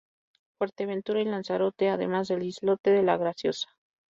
Fuerteventura y Lanzarote, además del islote de La Graciosa.